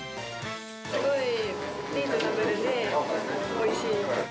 すごいリーズナブルでおいしい。